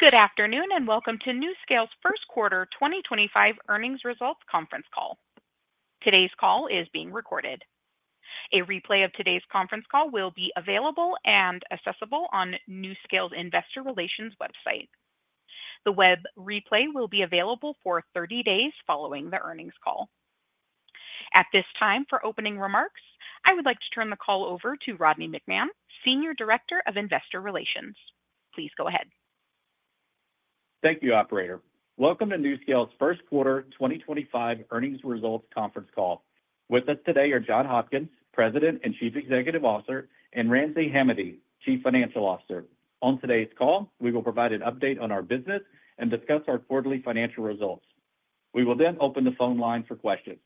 Good afternoon and welcome to NuScale's first quarter 2025 earnings results conference call. Today's call is being recorded. A replay of today's conference call will be available and accessible on NuScale's investor relations website. The web replay will be available for 30 days following the earnings call. At this time, for opening remarks, I would like to turn the call over to Rodney McMahan, Senior Director of Investor Relations. Please go ahead. Thank you, Operator. Welcome to NuScale's first quarter 2025 earnings results conference call. With us today are John Hopkins, President and Chief Executive Officer, and Ramsey Hamady, Chief Financial Officer. On today's call, we will provide an update on our business and discuss our quarterly financial results. We will then open the phone line for questions.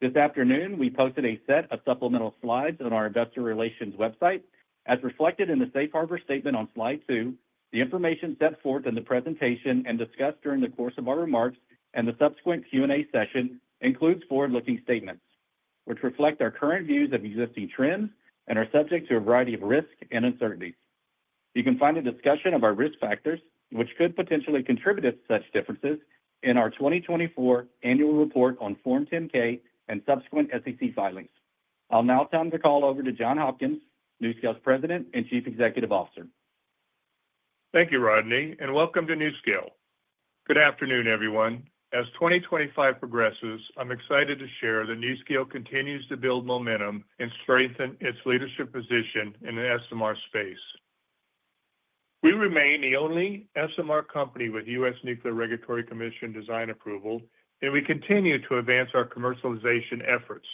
This afternoon, we posted a set of supplemental slides on our investor relations website. As reflected in the Safe Harbor statement on slide two, the information set forth in the presentation and discussed during the course of our remarks and the subsequent Q&A session includes forward-looking statements, which reflect our current views of existing trends and are subject to a variety of risks and uncertainties. You can find a discussion of our risk factors, which could potentially contribute to such differences, in our 2024 annual report on Form 10-K and subsequent SEC filings. I'll now turn the call over to John Hopkins, NuScale's President and Chief Executive Officer. Thank you, Rodney, and welcome to NuScale. Good afternoon, everyone. As 2025 progresses, I'm excited to share that NuScale continues to build momentum and strengthen its leadership position in the SMR space. We remain the only SMR company with U.S. Nuclear Regulatory Commission design approval, and we continue to advance our commercialization efforts.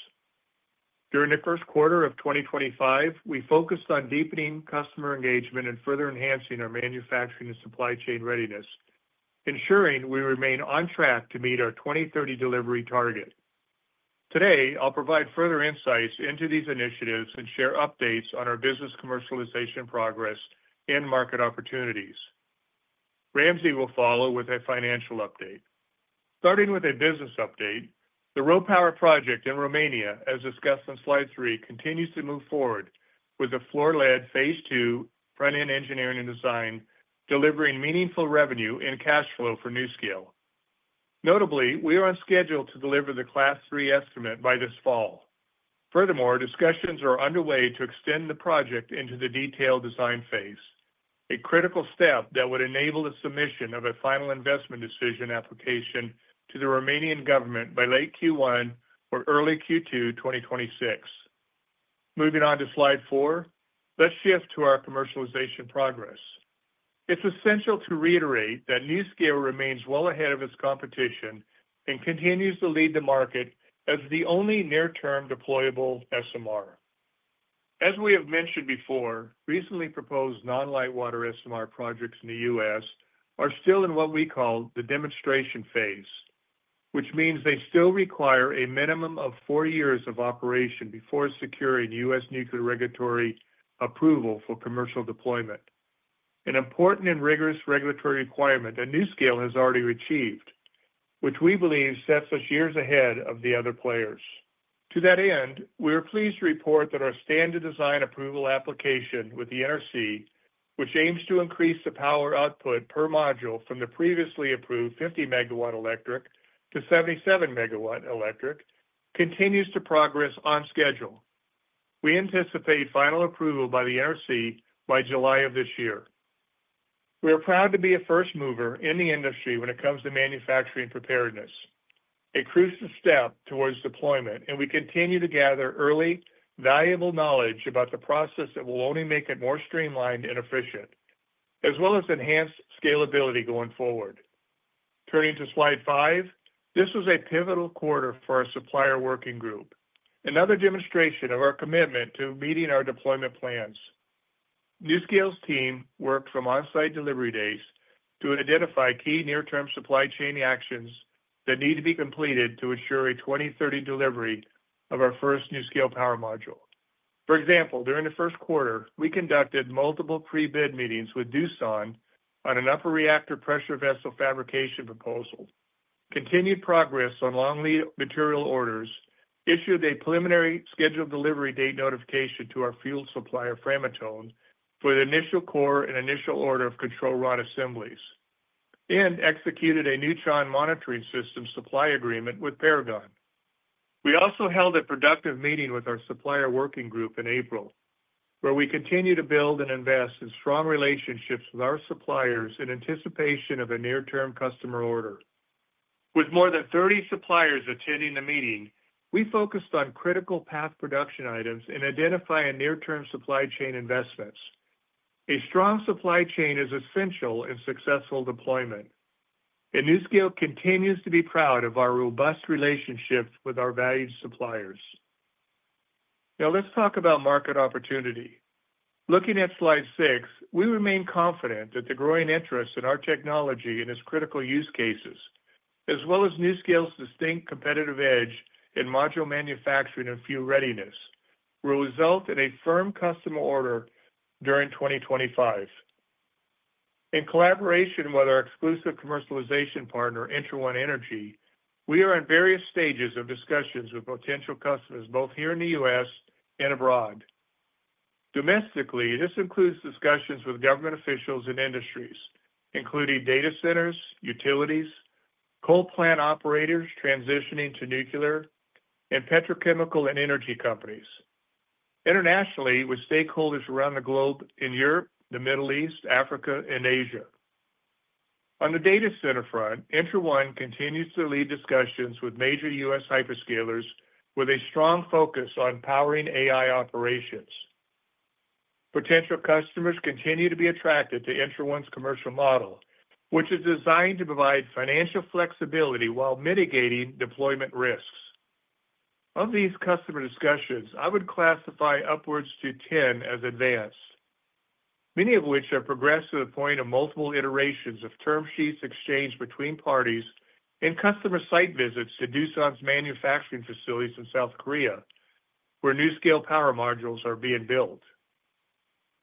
During the first quarter of 2025, we focused on deepening customer engagement and further enhancing our manufacturing and supply chain readiness, ensuring we remain on track to meet our 2030 delivery target. Today, I'll provide further insights into these initiatives and share updates on our business commercialization progress and market opportunities. Ramsay will follow with a financial update. Starting with a business update, the RoPower project in Romania, as discussed on slide three, continues to move forward with the Fluor-led phase two front-end engineering and design, delivering meaningful revenue and cash flow for NuScale. Notably, we are on schedule to deliver the class three estimate by this fall. Furthermore, discussions are underway to extend the project into the detailed design phase, a critical step that would enable the submission of a final investment decision application to the Romanian government by late Q1 or early Q2 2026. Moving on to slide four, let's shift to our commercialization progress. It's essential to reiterate that NuScale remains well ahead of its competition and continues to lead the market as the only near-term deployable SMR. As we have mentioned before, recently proposed non-light water SMR projects in the U.S. are still in what we call the demonstration phase, which means they still require a minimum of four years of operation before securing U.S. Nuclear Regulatory approval for commercial deployment, an important and rigorous regulatory requirement that NuScale has already achieved, which we believe sets us years ahead of the other players. To that end, we are pleased to report that our standard design approval application with the NRC, which aims to increase the power output per module from the previously approved 50 megawatt electric to 77 megawatt electric, continues to progress on schedule. We anticipate final approval by the NRC by July of this year. We are proud to be a first mover in the industry when it comes to manufacturing preparedness, a crucial step towards deployment, and we continue to gather early, valuable knowledge about the process that will only make it more streamlined and efficient, as well as enhanced scalability going forward. Turning to slide five, this was a pivotal quarter for our supplier working group, another demonstration of our commitment to meeting our deployment plans. NuScale's team worked from on-site delivery days to identify key near-term supply chain actions that need to be completed to ensure a 2030 delivery of our first NuScale Power Module. For example, during the first quarter, we conducted multiple pre-bid meetings with Doosan on an Upper Reactor Pressure Vessel fabrication proposal. Continued progress on long lead material orders issued a preliminary scheduled delivery date notification to our fuel supplier, Framatome, for the initial core and initial order of control rod assemblies, and executed a neutron monitoring system supply agreement with Paragon. We also held a productive meeting with our supplier working group in April, where we continue to build and invest in strong relationships with our suppliers in anticipation of a near-term customer order. With more than 30 suppliers attending the meeting, we focused on critical path production items and identifying near-term supply chain investments. A strong supply chain is essential in successful deployment, and NuScale continues to be proud of our robust relationship with our valued suppliers. Now, let's talk about market opportunity. Looking at slide six, we remain confident that the growing interest in our technology and its critical use cases, as well as NuScale's distinct competitive edge in module manufacturing and fuel readiness, will result in a firm customer order during 2025. In collaboration with our exclusive commercialization partner, ENTRA1 Energy, we are in various stages of discussions with potential customers both here in the U.S. and abroad. Domestically, this includes discussions with government officials and industries, including data centers, utilities, coal plant operators transitioning to nuclear, and petrochemical and energy companies, internationally with stakeholders around the globe in Europe, the Middle East, Africa, and Asia. On the data center front, ENTRA1 Energy continues to lead discussions with major U.S. hyperscalers with a strong focus on powering AI operations. Potential customers continue to be attracted to ENTRA1 Energy's commercial model, which is designed to provide financial flexibility while mitigating deployment risks. Of these customer discussions, I would classify upwards to 10 as advanced, many of which have progressed to the point of multiple iterations of term sheets exchanged between parties and customer site visits to Doosan's manufacturing facilities in South Korea, where NuScale Power Modules are being built.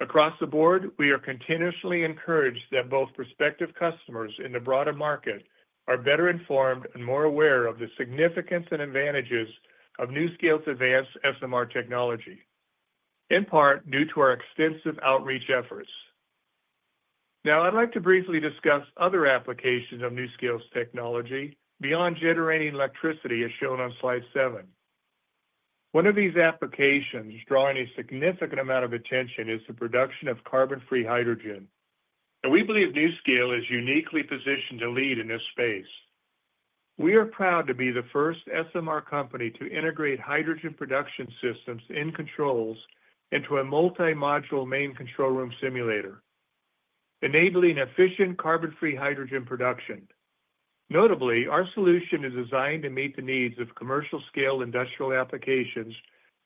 Across the board, we are continuously encouraged that both prospective customers and the broader market are better informed and more aware of the significance and advantages of NuScale's advanced SMR technology, in part due to our extensive outreach efforts. Now, I'd like to briefly discuss other applications of NuScale's technology beyond generating electricity, as shown on slide seven. One of these applications drawing a significant amount of attention is the production of carbon-free hydrogen, and we believe NuScale is uniquely positioned to lead in this space. We are proud to be the first SMR company to integrate hydrogen production systems and controls into a multi-module main control room simulator, enabling efficient carbon-free hydrogen production. Notably, our solution is designed to meet the needs of commercial-scale industrial applications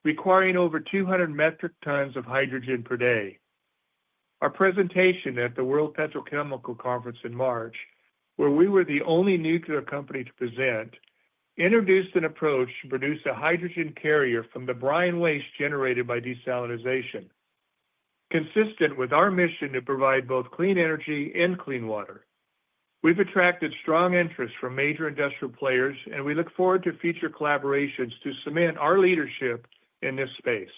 requiring over 200 metric tons of hydrogen per day. Our presentation at the World Petrochemical Conference in March, where we were the only nuclear company to present, introduced an approach to produce a hydrogen carrier from the brine waste generated by desalinization, consistent with our mission to provide both clean energy and clean water. We've attracted strong interest from major industrial players, and we look forward to future collaborations to cement our leadership in this space.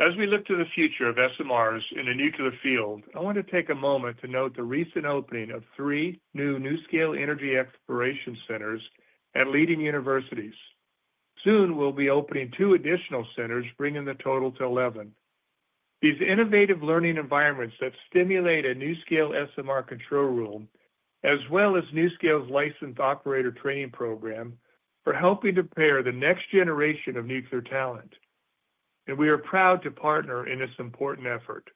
As we look to the future of SMRs in the nuclear field, I want to take a moment to note the recent opening of three new NuScale energy exploration centers at leading universities. Soon, we'll be opening two additional centers, bringing the total to 11. These innovative learning environments simulate a NuScale SMR control room, as well as NuScale's licensed operator training program, are helping to prepare the next generation of nuclear talent, and we are proud to partner in this important effort.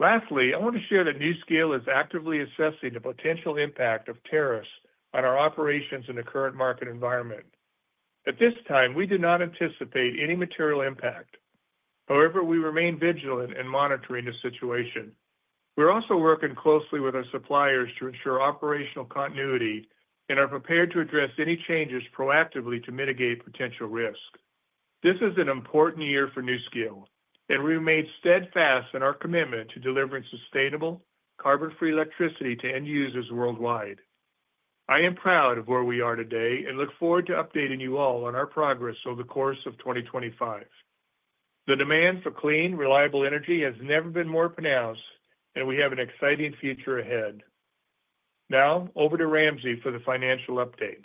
Lastly, I want to share that NuScale is actively assessing the potential impact of tariffs on our operations in the current market environment. At this time, we do not anticipate any material impact. However, we remain vigilant and monitoring the situation. We're also working closely with our suppliers to ensure operational continuity and are prepared to address any changes proactively to mitigate potential risk. This is an important year for NuScale, and we remain steadfast in our commitment to delivering sustainable, carbon-free electricity to end users worldwide. I am proud of where we are today and look forward to updating you all on our progress over the course of 2025. The demand for clean, reliable energy has never been more pronounced, and we have an exciting future ahead. Now, over to Ramsay for the financial update.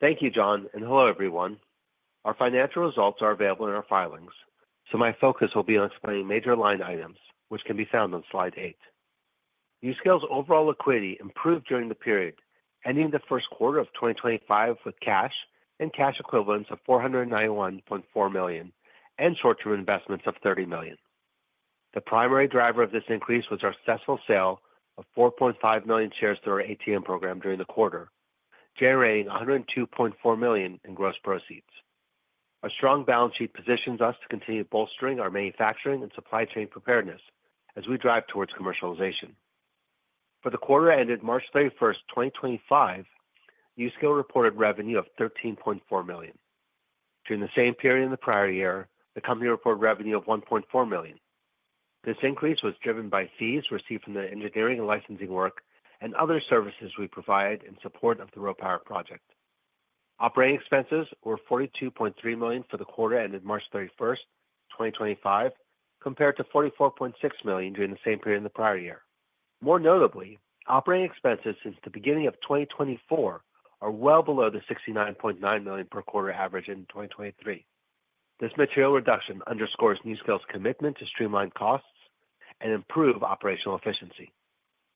Thank you, John, and hello, everyone. Our financial results are available in our filings, so my focus will be on explaining major line items, which can be found on slide eight. NuScale's overall liquidity improved during the period ending the first quarter of 2025 with cash and cash equivalents of $491.4 million and short-term investments of $30 million. The primary driver of this increase was our successful sale of 4.5 million shares through our ATM program during the quarter, generating $102.4 million in gross proceeds. A strong balance sheet positions us to continue bolstering our manufacturing and supply chain preparedness as we drive towards commercialization. For the quarter ended March 31, 2025, NuScale reported revenue of $13.4 million. During the same period in the prior year, the company reported revenue of $1.4 million. This increase was driven by fees received from the engineering and licensing work and other services we provide in support of the RoPower project. Operating expenses were $42.3 million for the quarter ended March 31, 2025, compared to $44.6 million during the same period in the prior year. More notably, operating expenses since the beginning of 2024 are well below the $69.9 million per quarter average in 2023. This material reduction underscores NuScale's commitment to streamline costs and improve operational efficiency.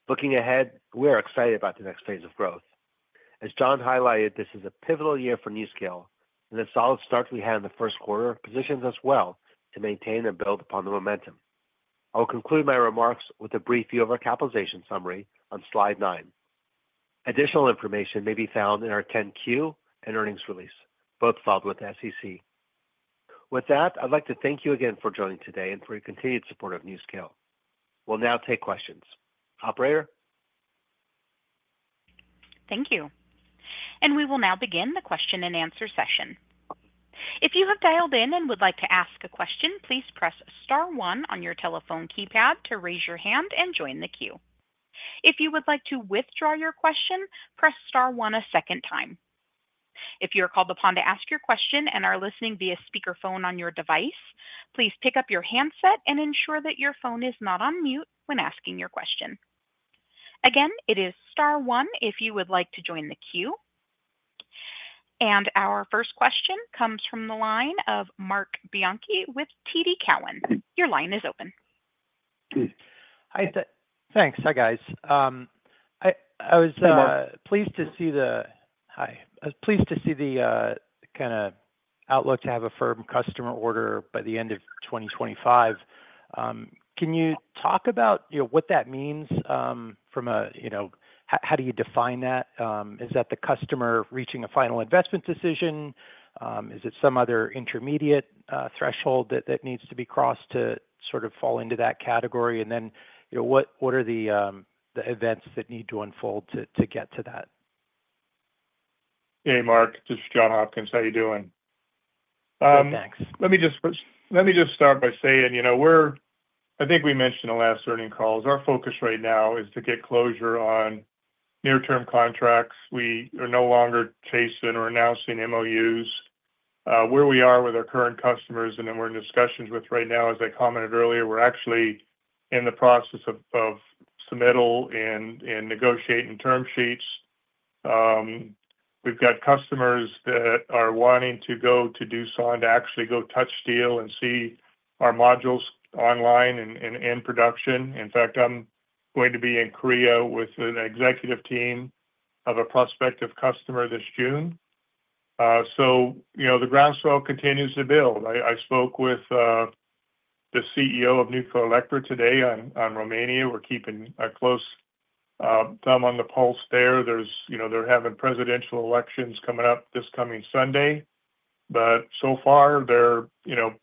Looking ahead, we are excited about the next phase of growth. As John highlighted, this is a pivotal year for NuScale, and the solid start we had in the first quarter positions us well to maintain and build upon the momentum. I'll conclude my remarks with a brief view of our capitalization summary on slide nine. Additional information may be found in our 10-Q and earnings release, both filed with the SEC. With that, I'd like to thank you again for joining today and for your continued support of NuScale. We'll now take questions. Operator? Thank you. We will now begin the question-and-answer session. If you have dialed in and would like to ask a question, please press star one on your telephone keypad to raise your hand and join the queue. If you would like to withdraw your question, press star one a second time. If you are called upon to ask your question and are listening via speakerphone on your device, please pick up your handset and ensure that your phone is not on mute when asking your question. Again, it is star one if you would like to join the queue. Our first question comes from the line of Marc Bianchi with TD Cowen. Your line is open. Hi. Thanks. Hi, guys. I was pleased to see the kind of outlook to have a firm customer order by the end of 2025. Can you talk about what that means from a how do you define that? Is that the customer reaching a final investment decision? Is it some other intermediate threshold that needs to be crossed to sort of fall into that category? What are the events that need to unfold to get to that? Hey, Marc. This is John Hopkins. How are you doing? Thanks. Let me just start by saying we're, I think we mentioned in the last earnings calls, our focus right now is to get closure on near-term contracts. We are no longer chasing or announcing MOUs. Where we are with our current customers and then we're in discussions with right now, as I commented earlier, we're actually in the process of submittal and negotiating term sheets. We've got customers that are wanting to go to Doosan to actually go touch steel and see our modules online and in production. In fact, I'm going to be in South Korea with an executive team of a prospective customer this June. The groundswell continues to build. I spoke with the CEO of Nuclearelectrica today on Romania. We're keeping a close thumb on the pulse there. They're having presidential elections coming up this coming Sunday. So far, they're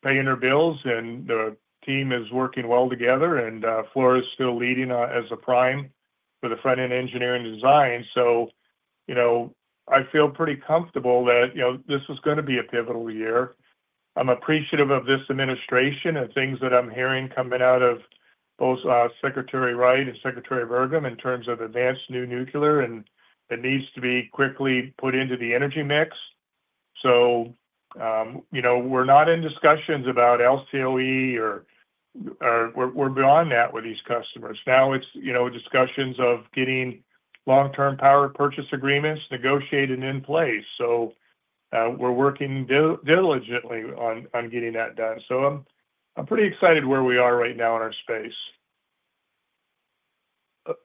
paying their bills, and the team is working well together, and Fluor is still leading as a prime for the front-end engineering design. I feel pretty comfortable that this is going to be a pivotal year. I'm appreciative of this administration and things that I'm hearing coming out of both Secretary Wright and Secretary Secretary Burgum in terms of advanced new nuclear, and it needs to be quickly put into the energy mix. We're not in discussions about LCOE, or we're beyond that with these customers. Now, it's discussions of getting long-term power purchase agreements negotiated in place. We're working diligently on getting that done. I'm pretty excited where we are right now in our space.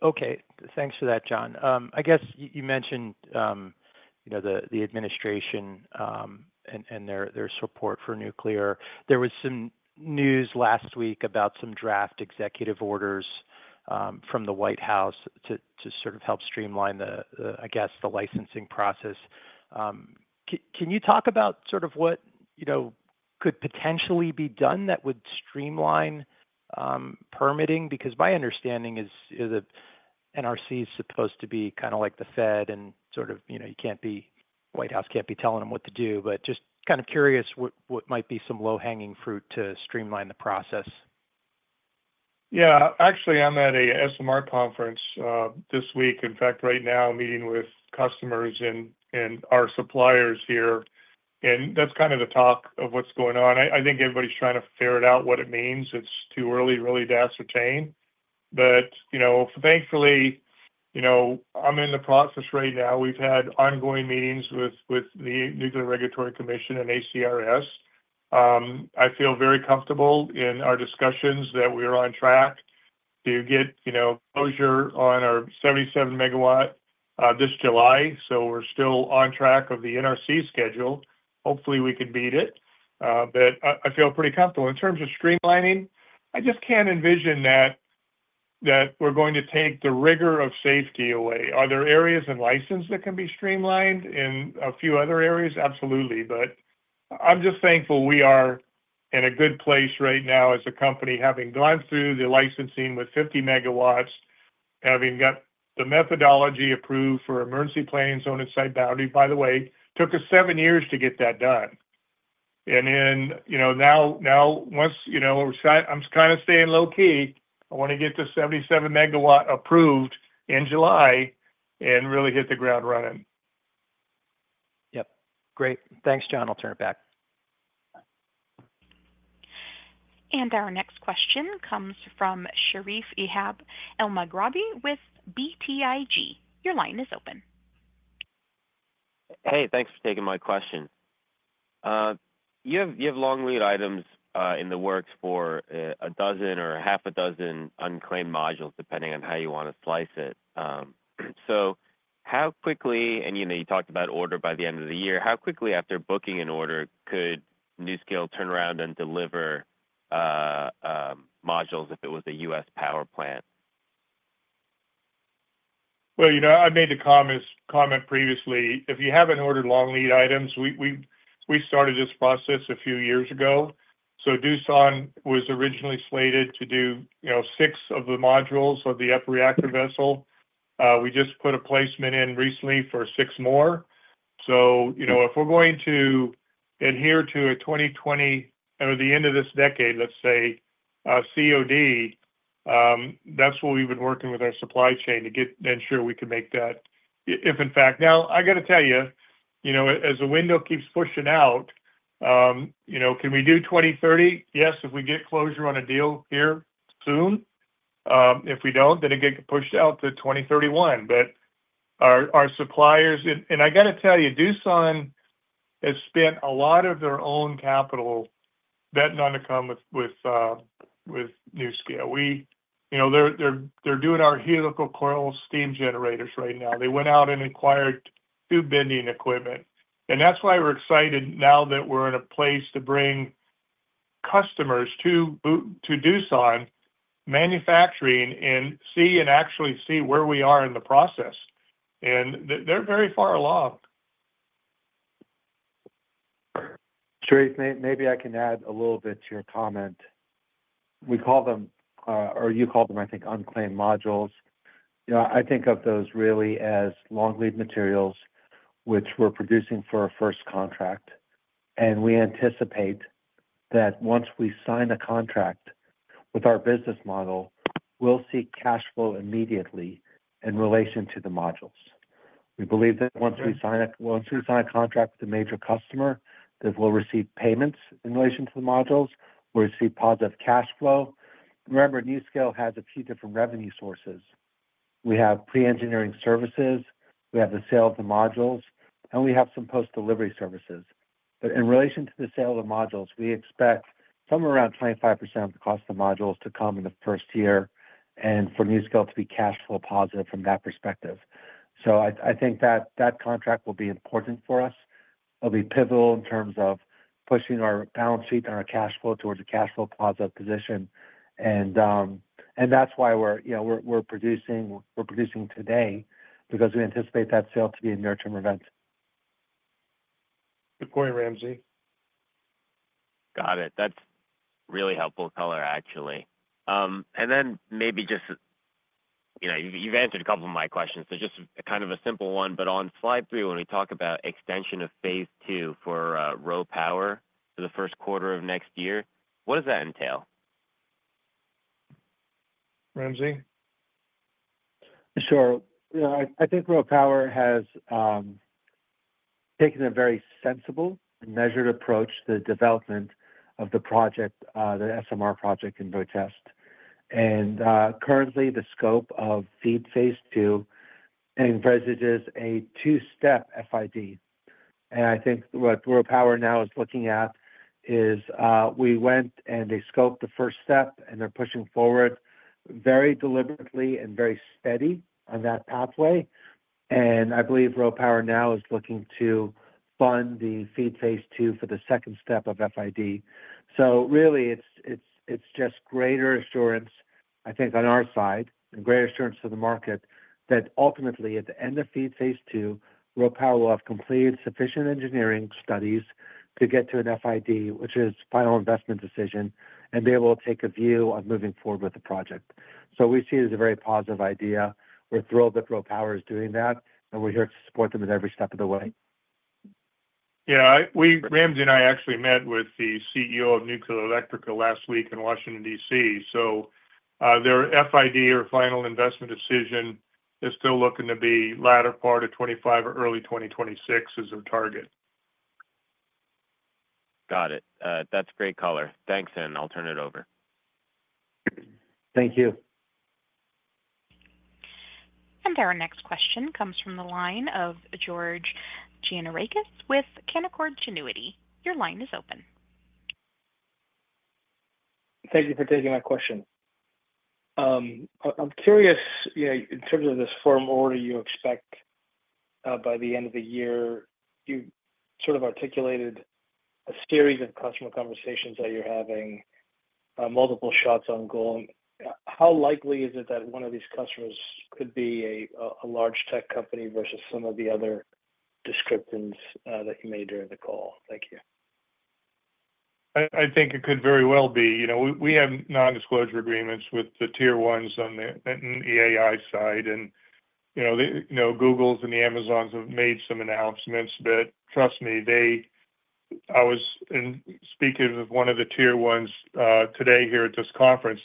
Okay. Thanks for that, John. I guess you mentioned the administration and their support for nuclear. There was some news last week about some draft executive orders from the White House to sort of help streamline, I guess, the licensing process. Can you talk about sort of what could potentially be done that would streamline permitting? Because my understanding is that NRC is supposed to be kind of like the Fed, and sort of you can't be, White House can't be telling them what to do, but just kind of curious what might be some low-hanging fruit to streamline the process. Yeah. Actually, I'm at a SMR conference this week. In fact, right now, I'm meeting with customers and our suppliers here, and that's kind of the talk of what's going on. I think everybody's trying to figure it out, what it means. It's too early, really, to ascertain. Thankfully, I'm in the process right now. We've had ongoing meetings with the NRC and ACRS. I feel very comfortable in our discussions that we are on track to get closure on our 77 megawatt this July. We're still on track of the NRC schedule. Hopefully, we can beat it. I feel pretty comfortable. In terms of streamlining, I just can't envision that we're going to take the rigor of safety away. Are there areas in license that can be streamlined? In a few other areas, absolutely. I'm just thankful we are in a good place right now as a company, having gone through the licensing with 50 megawatts, having got the methodology approved for emergency planning zone inside boundary. By the way, it took us seven years to get that done. Now, once I'm kind of staying low-key, I want to get the 77 megawatt approved in July and really hit the ground running. Yep. Great. Thanks, John. I'll turn it back. Our next question comes from Sherif Ehab Elmigrabi with BTIG. Your line is open. Hey, thanks for taking my question. You have long-wheeled items in the works for a dozen or half a dozen unclaimed modules, depending on how you want to slice it. How quickly—and you talked about order by the end of the year—how quickly, after booking an order, could NuScale turn around and deliver modules if it was a U.S. power plant? I made the comment previously. If you haven't ordered long-wheeled items, we started this process a few years ago. Doosan was originally slated to do six of the modules of the Upper Reactor Pressure Vessel. We just put a placement in recently for six more. If we're going to adhere to a 2020 or the end of this decade, let's say, COD, that's what we've been working with our supply chain to ensure we can make that, if in fact. Now, I got to tell you, as the window keeps pushing out, can we do 2030? Yes, if we get closure on a deal here soon. If we don't, then it gets pushed out to 2031. Our suppliers—and I got to tell you, Doosan has spent a lot of their own capital betting on to come with NuScale. They're doing our helical coil steam generators right now. They went out and acquired two bending equipment. That is why we're excited now that we're in a place to bring customers to Doosan manufacturing and see and actually see where we are in the process. They're very far along. Sharif, maybe I can add a little bit to your comment. We call them, or you call them, I think, unclaimed modules. I think of those really as long-wheeled materials, which we're producing for our first contract. We anticipate that once we sign a contract with our business model, we'll see cash flow immediately in relation to the modules. We believe that once we sign a contract with a major customer, that we'll receive payments in relation to the modules. We'll receive positive cash flow. Remember, NuScale has a few different revenue sources. We have pre-engineering services. We have the sale of the modules, and we have some post-delivery services. In relation to the sale of the modules, we expect somewhere around 25% of the cost of the modules to come in the first year and for NuScale to be cash flow positive from that perspective. I think that contract will be important for us. It'll be pivotal in terms of pushing our balance sheet and our cash flow towards a cash flow positive position. That's why we're producing today, because we anticipate that sale to be a near-term event. Good point, Ramsey. Got it. That's really helpful color, actually. Maybe just you've answered a couple of my questions. Just kind of a simple one, but on slide three, when we talk about extension of phase II for RoPower for the first quarter of next year, what does that entail? Ramsey? Sure. I think RoPower has taken a very sensible and measured approach to the development of the project, the SMR project in Romania. Currently, the scope of FEED phase II and residences a two-step FID. I think what RoPower now is looking at is we went and they scoped the first step, and they are pushing forward very deliberately and very steady on that pathway. I believe RoPower now is looking to fund the FEED phase II for the second step of FID. SO really, it is just greater assurance, I think, on our side, and greater assurance to the market that ultimately, at the end of FEED phase II, RoPower will have completed sufficient engineering studies to get to an FID, which is final investment decision, and be able to take a view on moving forward with the project. We see it as a very positive idea. We're thrilled that RoPower is doing that, and we're here to support them at every step of the way. Yeah. Ramsay and I actually met with the CEO of Nuclearelectrica last week in Washington, DC. So their FID, or final investment decision, is still looking to be latter part of 2025 or early 2026 as their target. Got it. That's great color. Thanks, and I'll turn it over. Thank you. Our next question comes from the line of George Gianarikas with Canaccord Genuity. Your line is open. Thank you for taking my question. I'm curious, in terms of this firm order you expect by the end of the year, you've sort of articulated a series of customer conversations that you're having, multiple shots on goal. How likely is it that one of these customers could be a large tech company versus some of the other descriptions that you made during the call? Thank you. I think it could very well be. We have non-disclosure agreements with the tier ones on the EAI side. And Google's and Amazon's have made some announcements. Trust me, I was speaking with one of the tier ones today here at this conference.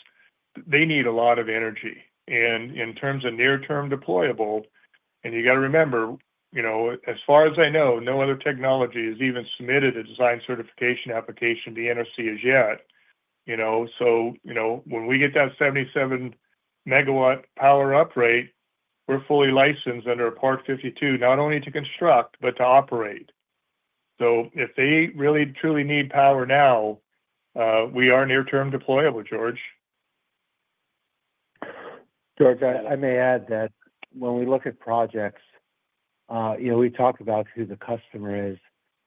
They need a lot of energy. In terms of near-term deployable, you got to remember, as far as I know, no other technology has even submitted a design certification application to the NRC as yet. When we get that 77 megawatt power uprate, we're fully licensed under a Part 52, not only to construct, but to operate. If they really, truly need power now, we are near-term deployable, George. George, I may add that when we look at projects, we talk about who the customer is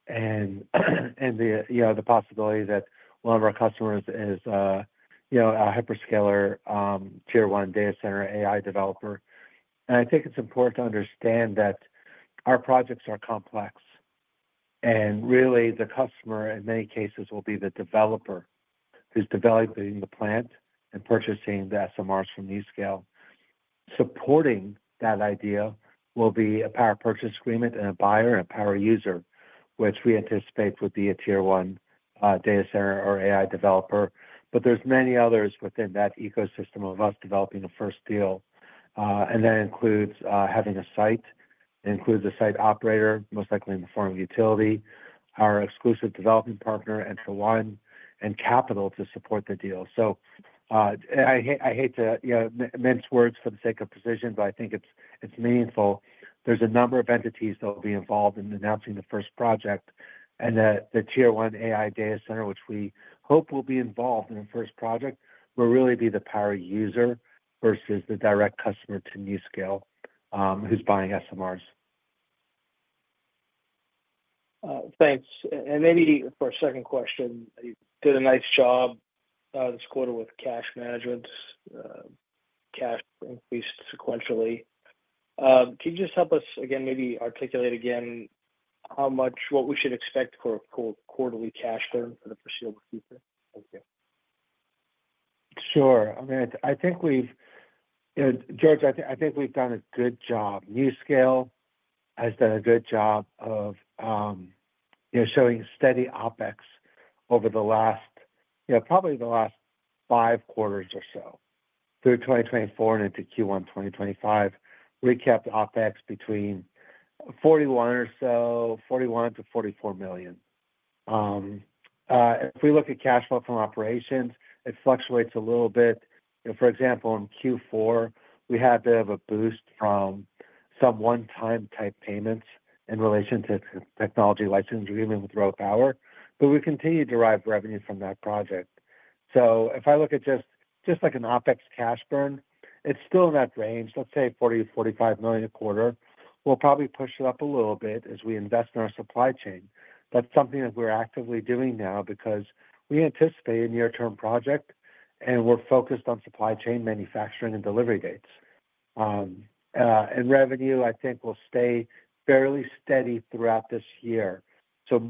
and the possibility that one of our customers is a hyperscaler tier one data center AI developer. I think it's important to understand that our projects are complex. Really, the customer, in many cases, will be the developer who's developing the plant and purchasing the SMRs from NuScale. Supporting that idea will be a power purchase agreement and a buyer and a power user, which we anticipate would be a tier one data center or AI developer. There are many others within that ecosystem of us developing a first deal. That includes having a site, includes a site operator, most likely in the form of a utility, our exclusive developing partner, and so on, and capital to support the deal. I hate to mince words for the sake of precision, but I think it's meaningful. There's a number of entities that will be involved in announcing the first project. The tier one AI data center, which we hope will be involved in the first project, will really be the power user versus the direct customer to NuScale who's buying SMRs. Thanks. Maybe for a second question, you did a nice job this quarter with cash management. Cash increased sequentially. Can you just help us, again, maybe articulate again how much what we should expect for a quarterly cash burn for the foreseeable future? Thank you. Sure. I mean, I think we've, George, I think we've done a good job. NuScale has done a good job of showing steady OpEx over the last, probably the last five quarters or so, through 2024 and into Q1 2025. Recapped OpEx between $41 million or so, $41 million-$44 million. If we look at cash flow from operations, it fluctuates a little bit. For example, in Q4, we had a bit of a boost from some one-time type payments in relation to technology license agreement with RoPower. But we continue to derive revenue from that project. If I look at just an OpEx cash burn, it's still in that range, let's say $40 million-$45 million a quarter. We'll probably push it up a little bit as we invest in our supply chain. That's something that we're actively doing now because we anticipate a near-term project, and we're focused on supply chain manufacturing and delivery dates. Revenue, I think, will stay fairly steady throughout this year.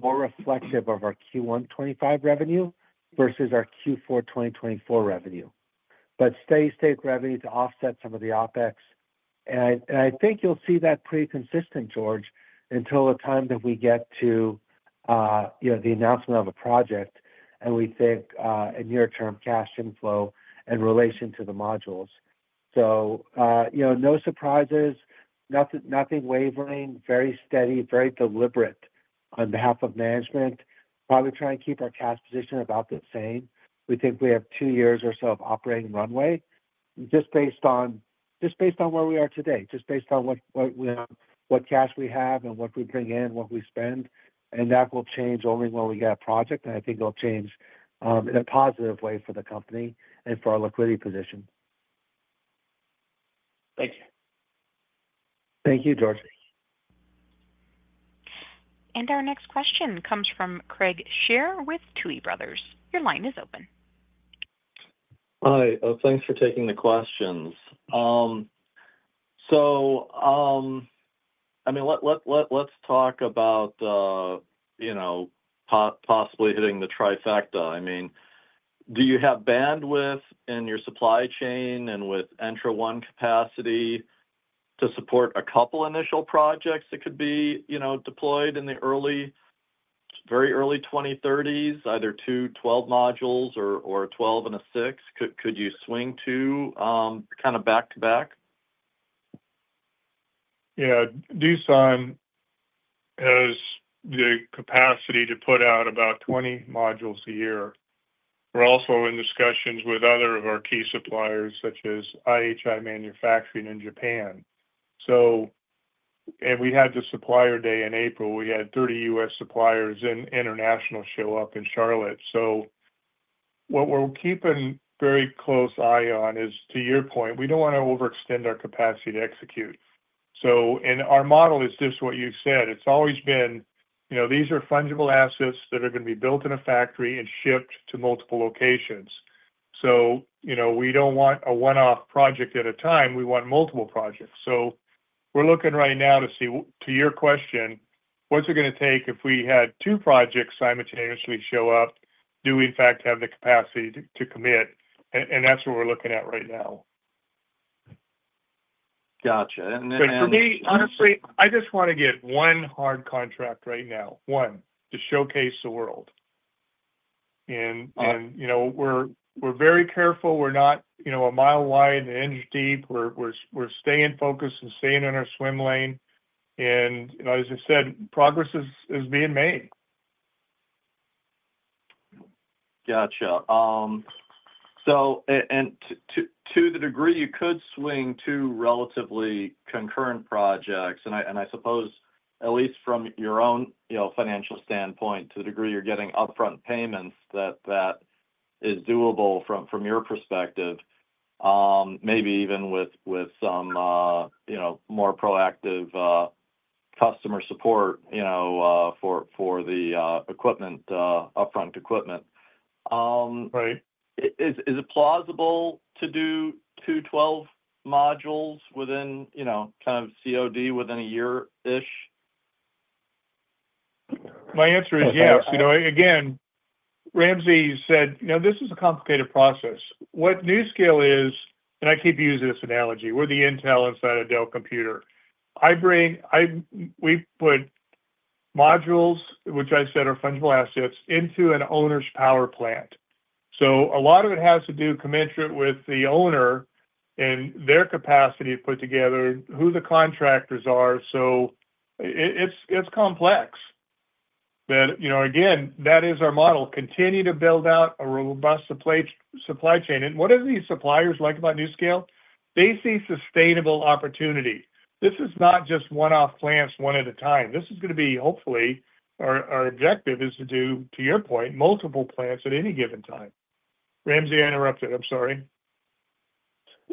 More reflective of our Q1 2025 revenue versus our Q4 2024 revenue. Steady state revenue to offset some of the OpEx. I think you'll see that pretty consistent, George, until the time that we get to the announcement of a project and we think a near-term cash inflow in relation to the modules. No surprises, nothing wavering, very steady, very deliberate on behalf of management. Probably trying to keep our cash position about the same. We think we have two years or so of operating runway just based on where we are today, just based on what cash we have and what we bring in, what we spend. That will change only when we get a project. I think it'll change in a positive way for the company and for our liquidity position. Thank you. Thank you, George. Our next question comes from Craig Shere with Tuohy Brothers. Your line is open. Hi. Thanks for taking the questions. I mean, let's talk about possibly hitting the trifecta. I mean, do you have bandwidth in your supply chain and with ENTRA1 Energy capacity to support a couple of initial projects that could be deployed in the very early 2030s, either two 12 modules or 12 and a 6? Could you swing two kind of back to back? Yeah. Doosan has the capacity to put out about 20 modules a year. We're also in discussions with other of our key suppliers, such as IHI Manufacturing in Japan. We had the supplier day in April. We had 30 U.S. suppliers and international show up in Charlotte. What we're keeping a very close eye on is, to your point, we don't want to overextend our capacity to execute. Our model is just what you said. It's always been these are fungible assets that are going to be built in a factory and shipped to multiple locations. We don't want a one-off project at a time. We want multiple projects. We're looking right now to see, to your question, what's it going to take if we had two projects simultaneously show up, do we in fact have the capacity to commit? That's what we're looking at right now. Gotcha. And. For me, honestly, I just want to get one hard contract right now, one, to showcase the world. We are very careful. We are not a mile wide and an inch deep. We are staying focused and staying in our swim lane. As I said, progress is being made. Gotcha. To the degree you could swing two relatively concurrent projects, and I suppose, at least from your own financial standpoint, to the degree you're getting upfront payments, that that is doable from your perspective, maybe even with some more proactive customer support for the equipment, upfront equipment. Is it plausible to do two 12 modules within kind of COD within a year-ish? My answer is yes. Again, Ramsey said, "No, this is a complicated process." What NuScale is, and I keep using this analogy, we're the Intel inside a Dell computer. We put modules, which I said are fungible assets, into an owner's power plant. A lot of it has to do commensurate with the owner and their capacity to put together who the contractors are. It is complex. That is our model. Continue to build out a robust supply chain. What do these suppliers like about NuScale? They see sustainable opportunity. This is not just one-off plants one at a time. This is going to be, hopefully, our objective is to do, to your point, multiple plants at any given time. Ramsey, I interrupted. I'm sorry.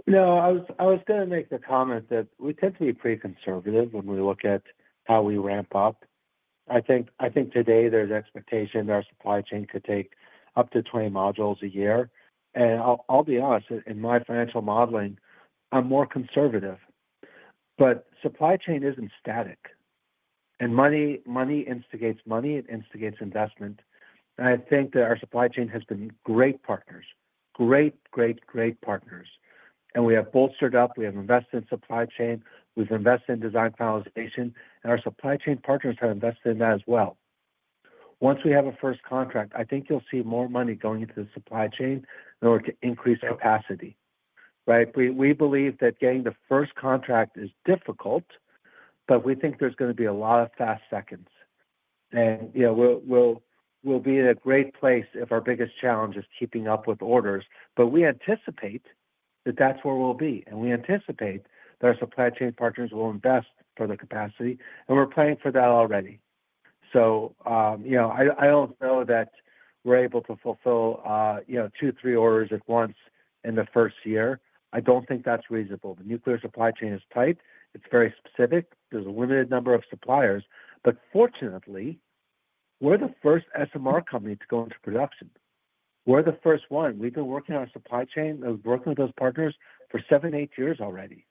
No, I was going to make the comment that we tend to be pretty conservative when we look at how we ramp up. I think today there is expectation that our supply chain could take up to 20 modules a year. I'll be honest, in my financial modeling, I'm more conservative. Supply chain is not static. Money instigates money. It instigates investment. I think that our supply chain has been great partners, great, great partners. We have bolstered up. We have invested in supply chain. We've invested in design finalization. Our supply chain partners have invested in that as well. Once we have a first contract, I think you'll see more money going into the supply chain in order to increase capacity, right? We believe that getting the first contract is difficult, but we think there is going to be a lot of fast seconds. We will be in a great place if our biggest challenge is keeping up with orders. We anticipate that that is where we will be. We anticipate that our supply chain partners will invest for the capacity. We are planning for that already. I do not know that we are able to fulfill two or three orders at once in the first year. I do not think that is reasonable. The nuclear supply chain is tight. It is very specific. There is a limited number of suppliers. Fortunately, we are the first SMR company to go into production. We are the first one. We have been working on our supply chain. We have been working with those partners for seven or eight years already.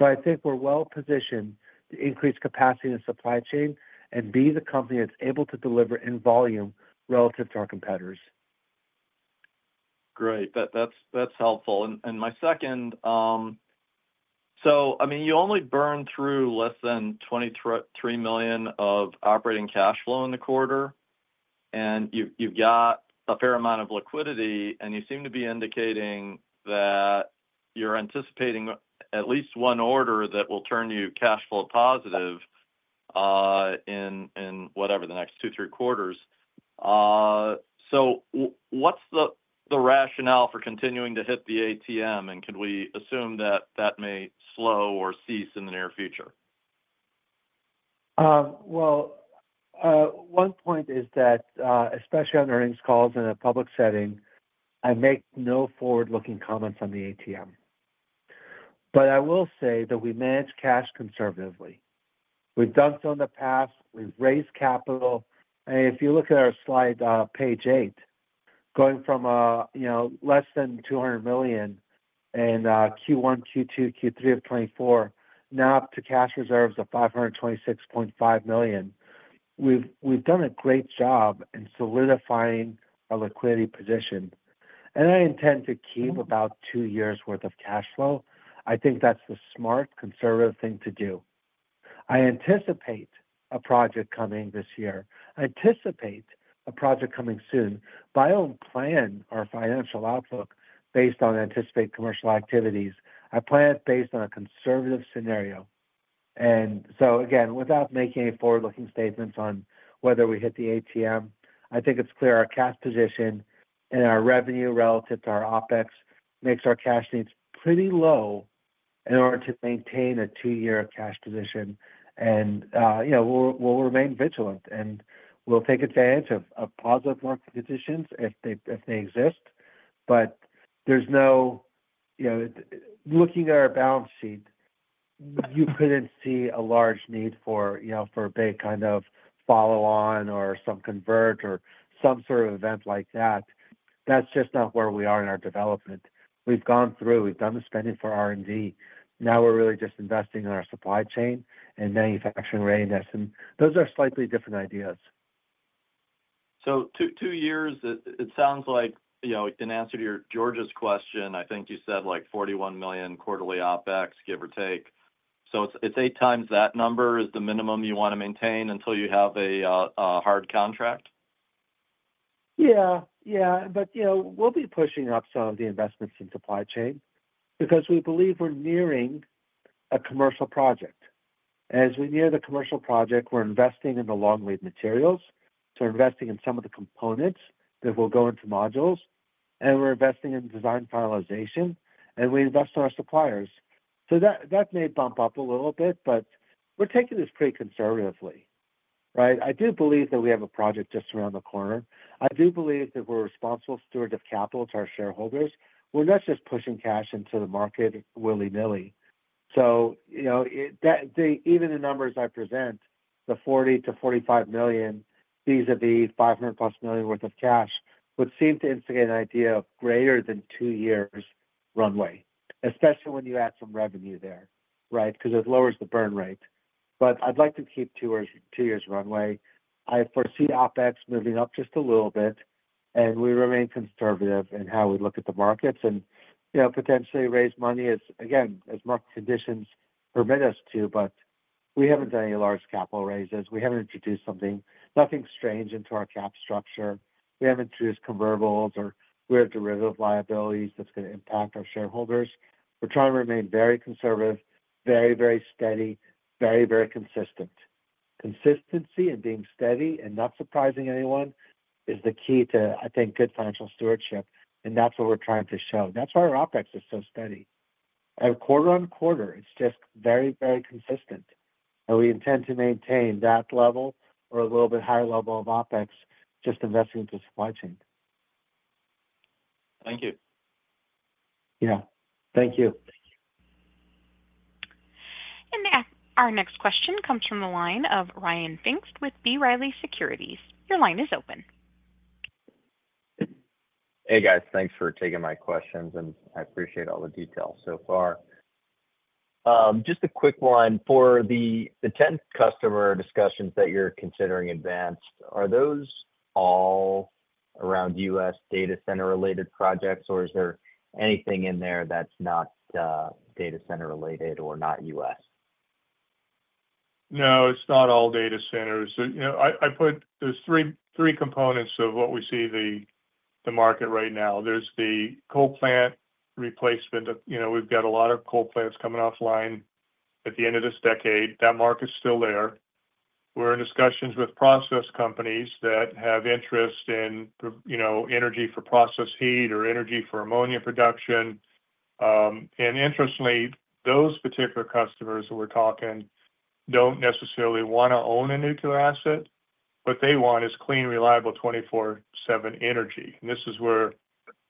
I think we are well positioned to increase capacity in the supply chain and be the company that is able to deliver in volume relative to our competitors. Great. That's helpful. My second, I mean, you only burn through less than $23 million of operating cash flow in the quarter. You have a fair amount of liquidity. You seem to be indicating that you're anticipating at least one order that will turn you cash flow positive in, whatever, the next two, three quarters. What's the rationale for continuing to hit the ATM? Could we assume that that may slow or cease in the near future? One point is that, especially on earnings calls in a public setting, I make no forward-looking comments on the ATM. I will say that we manage cash conservatively. We've done so in the past. We've raised capital. If you look at our slide, page eight, going from less than $200 million in Q1, Q2, Q3 of 2024, now up to cash reserves of $526.5 million, we've done a great job in solidifying our liquidity position. I intend to keep about two years' worth of cash flow. I think that's the smart, conservative thing to do. I anticipate a project coming this year. I anticipate a project coming soon. I don't plan our financial outlook based on anticipated commercial activities. I plan it based on a conservative scenario. Again, without making any forward-looking statements on whether we hit the ATM, I think it is clear our cash position and our revenue relative to our OpEx makes our cash needs pretty low in order to maintain a two-year cash position. We will remain vigilant. We will take advantage of positive market conditions if they exist. Looking at our balance sheet, you could not see a large need for a big kind of follow-on or some converge or some sort of event like that. That is just not where we are in our development. We have gone through. We have done the spending for R&D. Now we are really just investing in our supply chain and manufacturing readiness. Those are slightly different ideas. Two years, it sounds like in answer to your, George's question, I think you said like $41 million quarterly OpEx, give or take. So it's eight times that number is the minimum you want to maintain until you have a hard contract? Yeah. Yeah. We'll be pushing up some of the investments in supply chain because we believe we're nearing a commercial project. As we near the commercial project, we're investing in the long lead materials. We're investing in some of the components that will go into modules. We're investing in design finalization. We invest in our suppliers. That may bump up a little bit, but we're taking this pretty conservatively, right? I do believe that we have a project just around the corner. I do believe that we're responsible steward of capital to our shareholders. We're not just pushing cash into the market willy-nilly. Even the numbers I present, the $40 million-$45 million vis-à-vis $500 million plus worth of cash would seem to instigate an idea of greater than two years' runway, especially when you add some revenue there, right? Because it lowers the burn rate. I'd like to keep two years' runway. I foresee OpEx moving up just a little bit. We remain conservative in how we look at the markets and potentially raise money, again, as market conditions permit us to. We haven't done any large capital raises. We haven't introduced something, nothing strange into our cap structure. We haven't introduced convertibles or weird derivative liabilities that's going to impact our shareholders. We're trying to remain very conservative, very steady, very consistent. Consistency in being steady and not surprising anyone is the key to, I think, good financial stewardship. That's what we're trying to show. That's why our OpEx is so steady. Quarter on quarter, it's just very consistent. We intend to maintain that level or a little bit higher level of OpEx just investing into supply chain. Thank you. Yeah. Thank you. Our next question comes from the line of Ryan Pfingst with B. Riley Securities. Your line is open. Hey, guys. Thanks for taking my questions. I appreciate all the details so far. Just a quick one. For the 10 customer discussions that you're considering advanced, are those all around U.S. data center-related projects, or is there anything in there that's not data center-related or not US? No, it's not all data centers. There are three components of what we see in the market right now. There is the coal plant replacement. We've got a lot of coal plants coming offline at the end of this decade. That market is still there. We're in discussions with process companies that have interest in energy for process heat or energy for ammonia production. Interestingly, those particular customers that we're talking to do not necessarily want to own a nuclear asset, but they want clean, reliable, 24/7 energy. This is where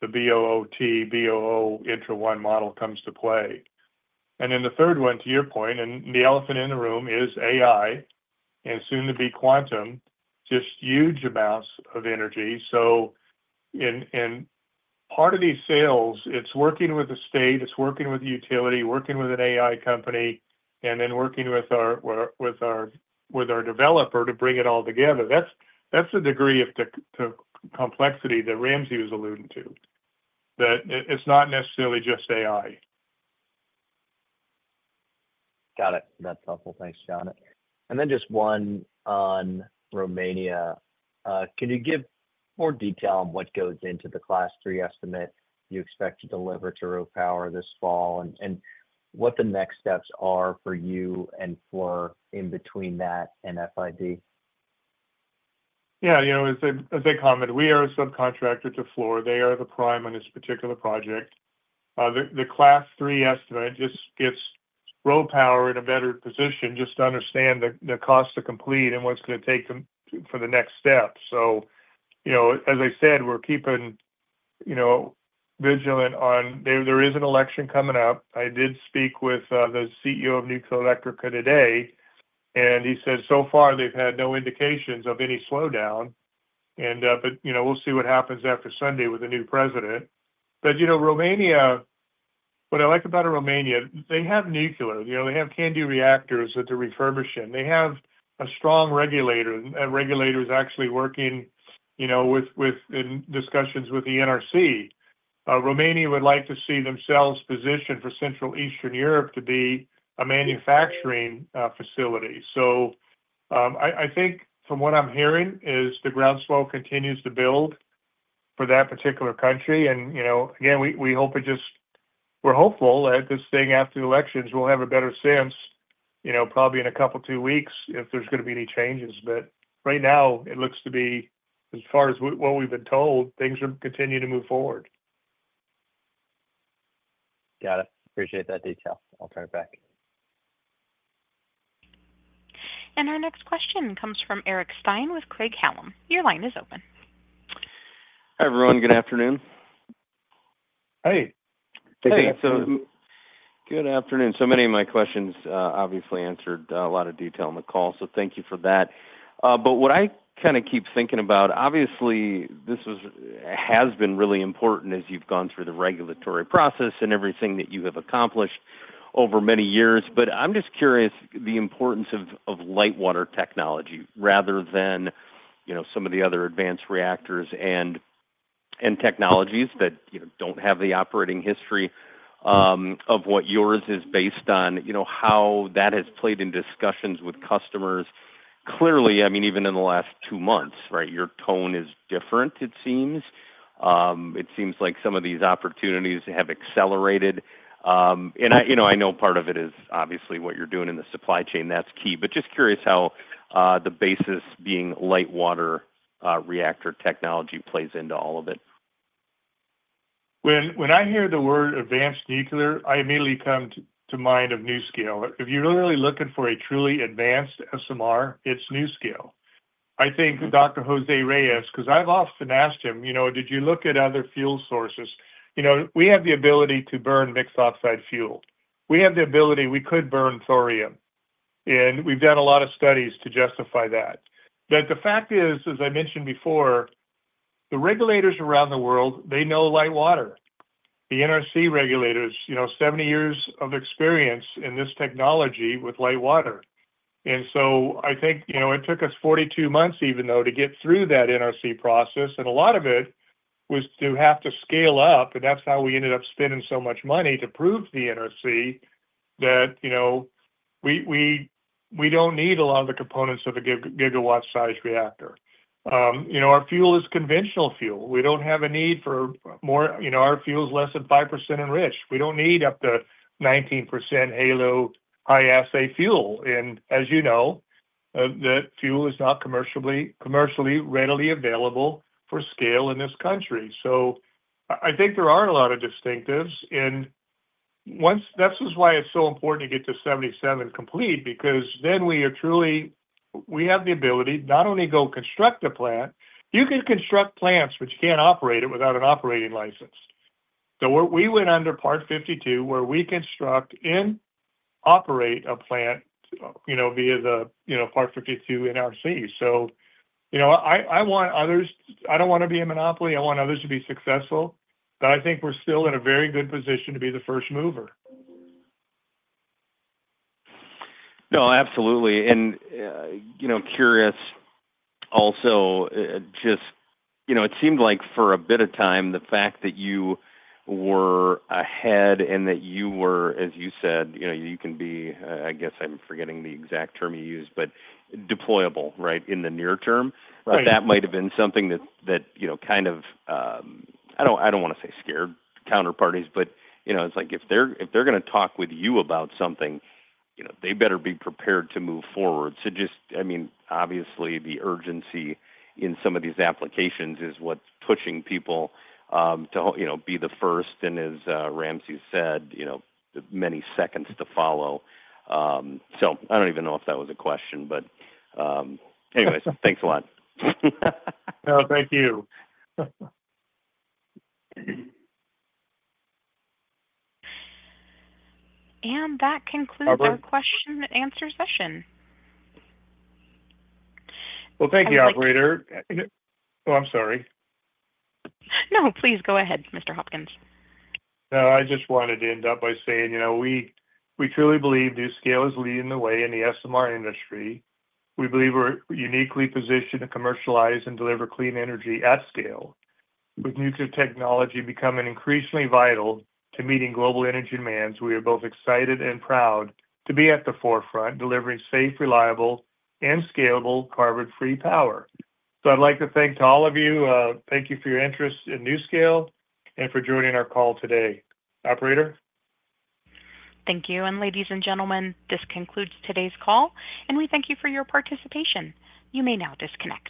the BOOT, BOO, ENTRA1 model comes into play. The third one, to your point, and the elephant in the room, is AI and soon to be quantum, just huge amounts of energy. In part of these sales, it's working with the state. It's working with the utility, working with an AI company, and then working with our developer to bring it all together. That's the degree of complexity that Ramsay was alluding to, that it's not necessarily just AI. Got it. That's helpful. Thanks, John. Just one on Romania. Can you give more detail on what goes into the class three estimate you expect to deliver to RoPower this fall and what the next steps are for you and Fluor in between that and FID? Yeah. As they comment, we are a subcontractor to Fluor. They are the prime on this particular project. The class three estimate just gets RoPower in a better position just to understand the cost to complete and what's going to take them for the next step. As I said, we're keeping vigilant on there is an election coming up. I did speak with the CEO of Nuclearelectrica today. He said, "So far, they've had no indications of any slowdown." We'll see what happens after Sunday with the new president. What I like about Romania, they have nuclear. They have CANDU reactors that they're refurbishing. They have a strong regulator. That regulator is actually working in discussions with the NRC. Romania would like to see themselves positioned for Central Eastern Europe to be a manufacturing facility. I think from what I'm hearing is the groundswell continues to build for that particular country. Again, we hope it just, we're hopeful that this thing after the elections, we'll have a better sense probably in a couple of two weeks if there's going to be any changes. Right now, it looks to be, as far as what we've been told, things are continuing to move forward. Got it. Appreciate that detail. I'll turn it back. Our next question comes from Eric Stine with Craig-Hallum. Your line is open. Hi everyone. Good afternoon. Hey. Hey, Good afternoon. Good afternoon. So many of my questions obviously answered a lot of detail in the call. Thank you for that. What I kind of keep thinking about, obviously, this has been really important as you've gone through the regulatory process and everything that you have accomplished over many years. I'm just curious the importance of light water technology rather than some of the other advanced reactors and technologies that don't have the operating history of what yours is based on, how that has played in discussions with customers. Clearly, I mean, even in the last two months, right, your tone is different, it seems. It seems like some of these opportunities have accelerated. I know part of it is obviously what you're doing in the supply chain. That's key. Just curious how the basis being light water reactor technology plays into all of it. When I hear the word advanced nuclear, I immediately come to mind of NuScale. If you're really looking for a truly advanced SMR, it's NuScale. I think Dr. José Reyes, because I've often asked him, "Did you look at other fuel sources?" We have the ability to burn mixed oxide fuel. We have the ability we could burn thorium. And we've done a lot of studies to justify that. The fact is, as I mentioned before, the regulators around the world, they know light water. The NRC regulators, 70 years of experience in this technology with light water. I think it took us 42 months, even though, to get through that NRC process. A lot of it was to have to scale up. That is how we ended up spending so much money to prove to the NRC that we do not need a lot of the components of a gigawatt-sized reactor. Our fuel is conventional fuel. We do not have a need for more. Our fuel is less than 5% enriched. We do not need up to 19% high assay fuel. As you know, that fuel is not commercially readily available for scale in this country. I think there are a lot of distinctives. That is why it is so important to get to 77 complete because then we have the ability not only to go construct a plant. You can construct plants, but you cannot operate it without an operating license. We went under part 52 where we construct and operate a plant via the part 52 NRC. I want others. I do not want to be a monopoly. I want others to be successful. I think we're still in a very good position to be the first mover. No, absolutely. Curious also, just it seemed like for a bit of time, the fact that you were ahead and that you were, as you said, you can be, I guess I'm forgetting the exact term you used, but deployable, right, in the near term. That might have been something that kind of, I don't want to say scared counterparties, but it's like if they're going to talk with you about something, they better be prepared to move forward. Just, I mean, obviously, the urgency in some of these applications is what's pushing people to be the first. As Ramsey said, many seconds to follow. I don't even know if that was a question. Anyways, thanks a lot. No, thank you. That concludes our question and answer session. Thank you, operator. Oh, I'm sorry. No, please go ahead, Mr. Hopkins. No, I just wanted to end up by saying we truly believe NuScale is leading the way in the SMR industry. We believe we're uniquely positioned to commercialize and deliver clean energy at scale. With nuclear technology becoming increasingly vital to meeting global energy demands, we are both excited and proud to be at the forefront, delivering safe, reliable, and scalable carbon-free power. I would like to thank all of you. Thank you for your interest in NuScale and for joining our call today, operator. Thank you. Ladies and gentlemen, this concludes today's call. We thank you for your participation. You may now disconnect.